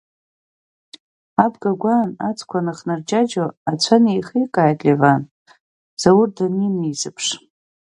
Абга гәаан ацқәа аныхнарџьаџьо ацәа неихикааит Леван, Заур даны-наизыԥш.